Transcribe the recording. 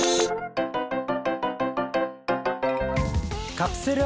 カプセル